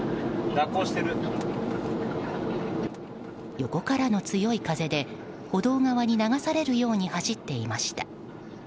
横からの強い風で歩道側に流されるように走っていました。